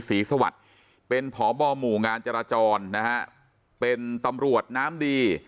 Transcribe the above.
ศรีสวัสดิ์เป็นพบหมู่งานจราจรนะฮะเป็นตำรวจน้ำดี